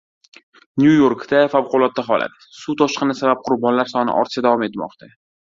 Nyu-Yorkda favqulotda holat: suv toshqini sabab qurbonlar soni ortishda davom etmoqda